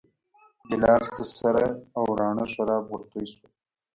ګیلاس ته سره او راڼه شراب ورتوی شول.